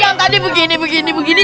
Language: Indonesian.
yang tadi begini begini